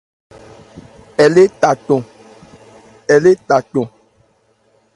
Ɛ lé tha cɔn.